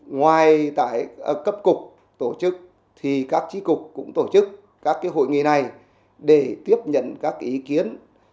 ngoài tại cấp cục tổ chức thì các trí cục cũng tổ chức các hội nghị này để tiếp nhận các ý kiến